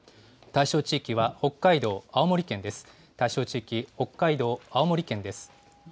対象地域、北海道、青森県です。